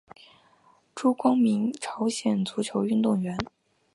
朱光民朝鲜足球运动员。